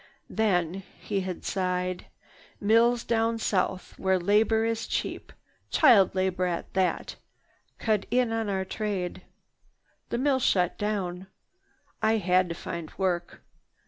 "Then," he had sighed, "mills down south where labor is cheap, child labor and all that, cut in on our trade. The mill shut down. I had to find work.